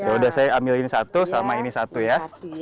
yaudah saya ambil ini satu sama ini satu ya